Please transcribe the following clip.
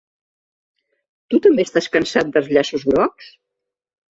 Tu també estàs cansat dels llaços grocs?